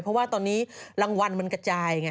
เพราะว่าตอนนี้รางวัลมันกระจายไง